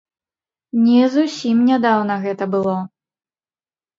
Не зусім нядаўна гэта было.